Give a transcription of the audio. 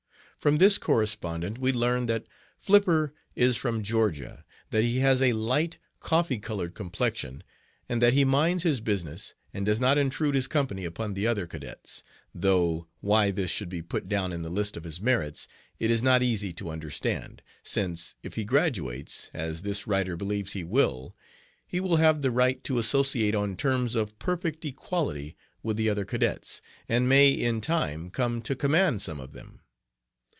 From this correspondent we learn that Flipper is from Georgia; that he has a light, coffee colored complexion, and that he 'minds his business and does not intrude his company upon the other cadets,' though why this should be put down in the list of his merits it is not easy to understand, since, if he graduates, as this writer believes he will, he will have the right to associate on terms of perfect equality with the other cadets, and may in time come to command some of them.